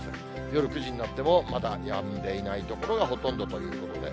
夜９時になっても、まだやんでいない所がほとんどということで。